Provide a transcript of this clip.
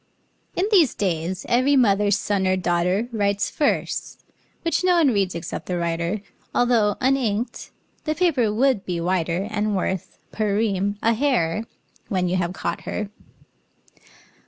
. IN these days, every mother's son or daughter Writes verse, which no one reads except the writer, Although, uninked, the paper would be whiter, And worth, per ream, a hare, when you have caught her.